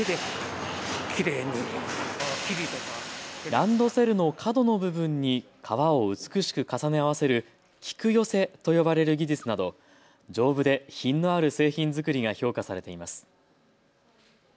ランドセルの角の部分に革を美しく重ね合わせる菊寄せと呼ばれる技術など丈夫で品のある製品作りが評価されています。